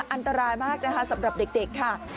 อันตรายมากนะคะสำหรับเด็กค่ะ